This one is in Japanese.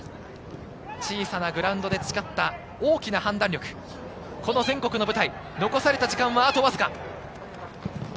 小さなグラウンドで培った大きな判断力、この全国の舞台、残された時間はあとわずか。